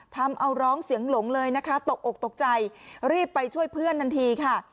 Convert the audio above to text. ทำเอาร้องเสียงหลงเลยนะคะตกอกตกใจรีบไปช่วยเพื่อนทันทีค่ะ